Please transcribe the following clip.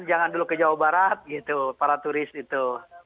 jangan dulu ke jawa barat gitu para turis itu